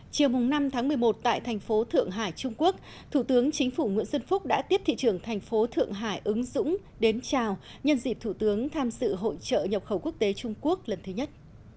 chiều năm tháng một mươi một tại thành phố thượng hải trung quốc thủ tướng chính phủ nguyễn xuân phúc đã tiếp thị trưởng thành phố thượng hải ứng dũng đến chào nhân dịp thủ tướng tham sự hội trợ nhập khẩu quốc tế trung quốc lần thứ nhất